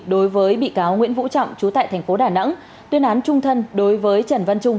đối với bị cáo nguyễn vũ trọng chú tại tp đà nẵng tuyên án trung thân đối với trần văn trung